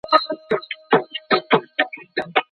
مقابل اړخ به تاسې د ځانونو لپاره وړ وګڼي.